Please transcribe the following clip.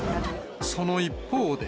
その一方で。